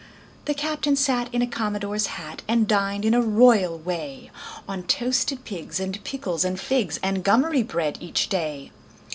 The captain sat in a commodore's hat And dined, in a royal way, On toasted pigs and pickles and figs And gummery bread, each day.